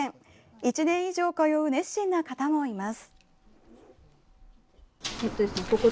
１年以上通う熱心な方もいます。